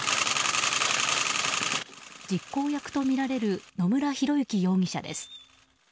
実行役とみられる野村広之容疑者です。